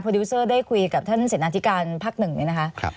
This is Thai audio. ดิวเซอร์ได้คุยกับท่านเสนาธิการพักหนึ่งเนี่ยนะคะ